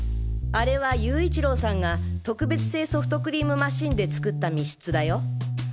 あれは勇一郎さんが特別製ソフトクリームマシンで作った密室だよ。